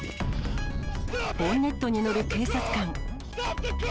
ボンネットに乗る警察官。